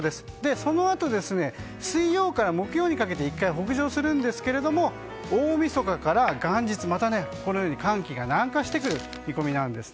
そのあと水曜から木曜にかけて１回、北上するんですが大みそかから元日はまた寒気が南下してくる見込みです。